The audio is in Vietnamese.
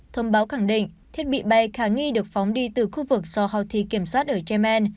thông báo khẳng định thiết bị bay khả nghi được phóng đi từ khu vực do houthi kiểm soát ở yemen